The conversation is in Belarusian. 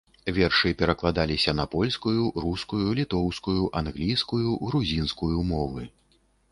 Вершы перакладаліся на польскую, рускую, літоўскую, англійскую, грузінскую мовы.